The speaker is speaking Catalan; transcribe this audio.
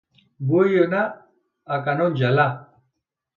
Vull anar a Canonja, la